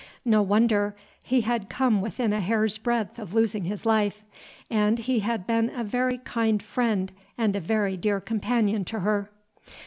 No wonder; he had come within a hair's breadth of losing his life, and he had been a very kind friend and a very dear companion to her.